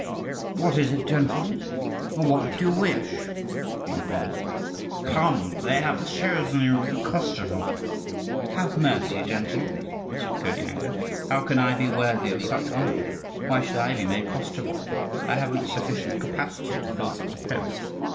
"What is it, gentles? What do you wish?" he inquired. "Come, they have chosen you for Koschevoi." "Have mercy, gentles!" said Kirdyanga. "How can I be worthy of such honour? Why should I be made Koschevoi? I have not sufficient capacity to fill such a post.